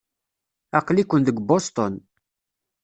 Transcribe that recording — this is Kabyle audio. Aql-iken deg Boston.